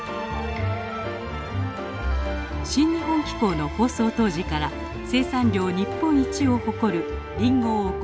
「新日本紀行」の放送当時から生産量日本一を誇るリンゴ王国